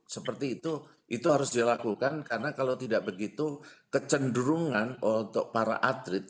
seperti itu itu harus dilakukan karena kalau tidak begitu kecenderungan untuk para atlet